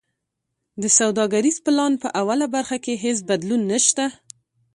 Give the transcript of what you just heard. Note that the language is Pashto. د سوداګریز پلان په اوله برخه کی هیڅ بدلون نشته.